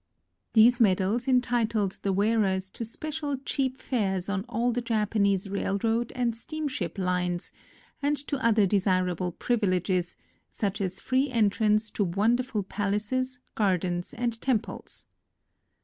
These medals entitled the wear ers to special cheap fares on all the Japanese railroad and steamship lines, and to other desirable privileges, such as free entrance to wonderful palaces, gardens, and temples.